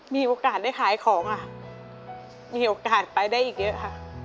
มีโอกาสได้ขายของค่ะมีโอกาสไปได้อีกเยอะค่ะ